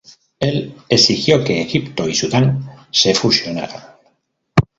Él exigió que Egipto y Sudán se fusionaran.